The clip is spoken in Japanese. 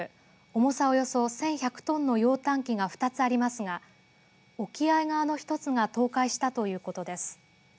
重さおよそ１１００トンの揚炭機が２つありますが沖合側の１つが倒壊したということです。